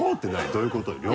どういうことよ？